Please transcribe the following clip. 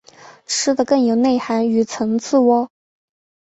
吃的更有内涵与层次喔！